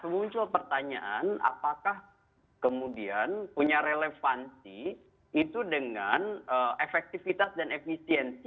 muncul pertanyaan apakah kemudian punya relevansi itu dengan efektivitas dan efisiensi